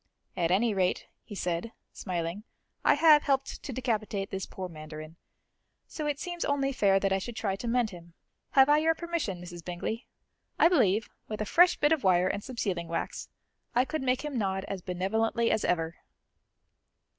"At any rate," he said, smiling, "I have helped to decapitate this poor mandarin, so it seems only fair that I should try to mend him. Have I your permission, Mrs. Bingley? I believe, with a fresh bit of wire and some sealing wax, I could make him nod as benevolently as ever."